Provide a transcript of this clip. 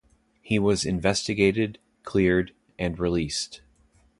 He was investigated, cleared and released.